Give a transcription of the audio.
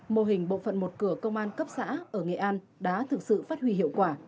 mô hình bộ phận một cửa công an cấp xã ở nghệ an đã thực sự phát huy hiệu quả